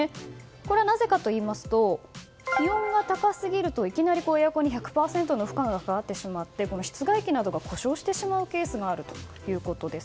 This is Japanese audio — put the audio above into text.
これなぜかといいますと気温が高すぎるといきなりエアコンに１００％の負荷がかかり室外機などが故障してしまうケースがあるということです。